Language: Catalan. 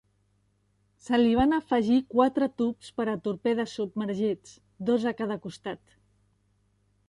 Se li van afegir quatre tubs per a torpedes submergits, dos a cada costat.